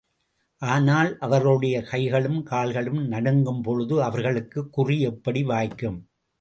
ஆனால் அவர்களுடைய கைகளும் கால்களும் நடுங்கும்பொழுது அவர்களுக்குக் குறி எப்படி வாய்க்கும்!